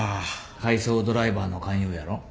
配送ドライバーの勧誘やろ？